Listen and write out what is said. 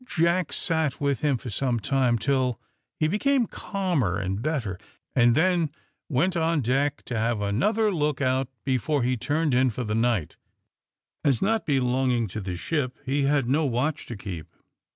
Jack sat with him for some time till he became calmer and better, and then went on deck to have another look out before he turned in for the night, as, not belonging to the ship, he had no watch to keep.